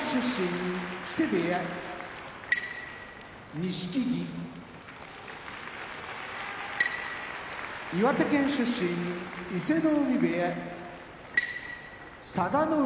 錦木岩手県出身伊勢ノ海部屋佐田の海